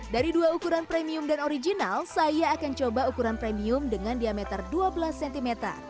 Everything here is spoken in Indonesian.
dari dua ukuran premium dan original saya akan coba ukuran premium dengan diameter dua belas cm